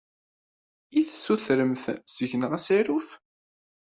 I tessutremt seg-neɣ asaruf?